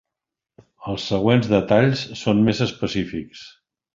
Els següents detalls són més específics.